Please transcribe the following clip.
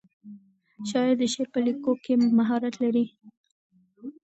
شاعر د شعر په لیکلو کې مهارت لري.